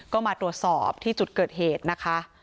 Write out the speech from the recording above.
ก็มาตรวจสอบที่จุดเกิดเหตุนะคะ